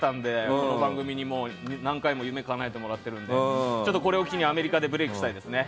この番組に何回も夢をかなえてもらえているのでこれを機にアメリカでブレークしたいですね。